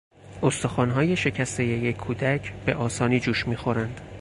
استخوانهای شکستهی یک کودک به آسانی جوش میخورند.